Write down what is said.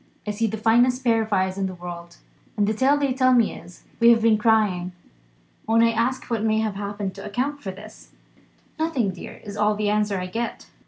I see the finest pair of eyes in the world; and the tale they tell me is, We have been crying. When I ask what may have happened to account for this 'Nothing, dear,' is all the answer I get.